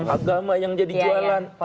agama yang jadi jualan